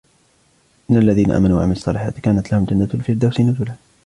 إن الذين آمنوا وعملوا الصالحات كانت لهم جنات الفردوس نزلا